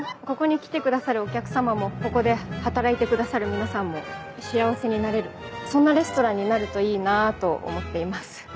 ここに来てくださるお客様もここで働いてくださる皆さんも幸せになれるそんなレストランになるといいなと思っています。